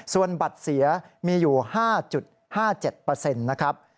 ส่วนบัตรเสียมีอยู่๕๕๗นะครับ